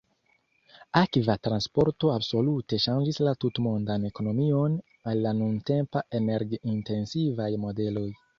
Akva transporto absolute ŝanĝis la tutmondan ekonomion al la nuntempa energi-intensivaj modeloj.